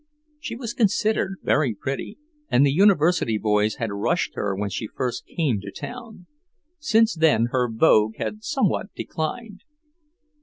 She was considered very pretty, and the University boys had rushed her when she first came to town. Since then her vogue had somewhat declined.